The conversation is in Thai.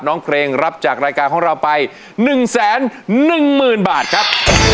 น้องเกรงรับจากรายการของเราไปหนึ่งแสนหนึ่งหมื่นบาทครับ